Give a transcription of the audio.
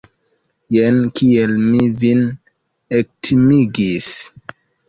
Jen kiel mi vin ektimigis!